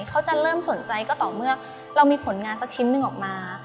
เขาจะเริ่มสนใจก็ต่อเมื่อเรามีผลงานสักชิ้นหนึ่งออกมา